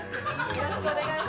よろしくお願いします。